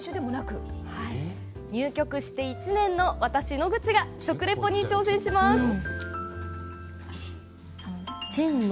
入局して１年の私野口が食レポに挑戦します！